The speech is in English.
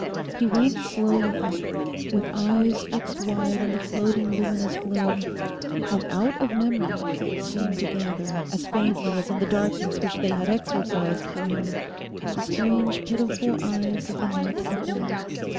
He went slowly up, with eyes fixed wide on the floating luminous gloom, and out of memory seemed to gather, as faintly as in the darkness which they had exorcised for him, the strange pitiful eyes of the night before.